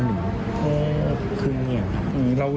เออก็คืนเหนียง